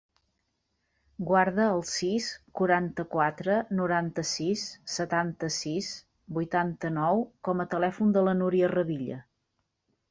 Guarda el sis, quaranta-quatre, noranta-sis, setanta-sis, vuitanta-nou com a telèfon de la Núria Revilla.